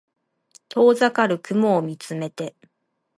遠ざかる雲を見つめて